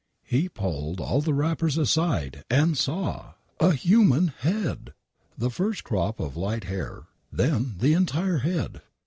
He pulled all the wrappers aside and saw — A Human Head !! First the crop of light hair,, then the entire head.